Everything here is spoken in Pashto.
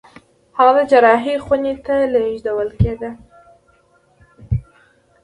هغه د جراحي خونې ته لېږدول کېده.